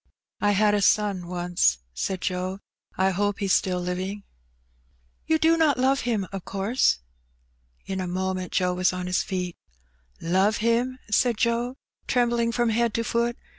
"I had a son once,'' said Joe. "I hope he's still living." "You do not love him, of course?'* In a moment Joe was on his feet. " Love him !" said Joe, trembling from head to foot.